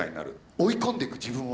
追い込んでいく自分を。